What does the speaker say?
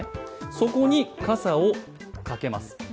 そこに傘を掛けます。